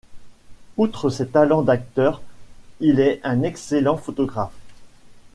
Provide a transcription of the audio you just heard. Outre ses talents d'acteur, il est un excellent photographe.